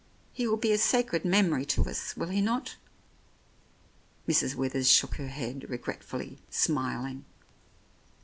He will be a sacred memory to us, will he not? " Mrs. Withers shook her head, regretfully, smiling.